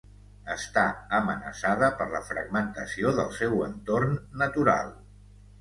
Està amenaçada per la fragmentació del seu entorn natural.